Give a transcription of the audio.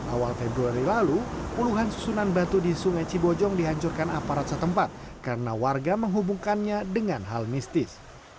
awal februari lalu puluhan susunan batu di sungai cibojong dihancurkan aparat setempat karena warga menghubungkannya dengan hal mistis